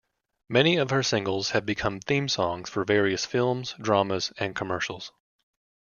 Many of her singles have become theme songs for various films, dramas, and commercials.